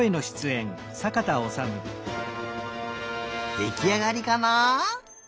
できあがりかな？